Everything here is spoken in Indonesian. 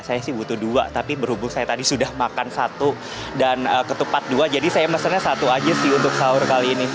saya sih butuh dua tapi berhubung saya tadi sudah makan satu dan ketupat dua jadi saya mesennya satu aja sih untuk sahur kali ini